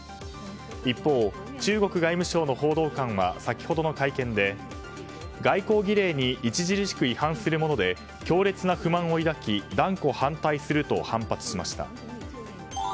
一方、中国外務省の報道官は先ほどの会見で外交儀礼に著しく違反するもので強烈な不満を抱き断固反対すると反発しました。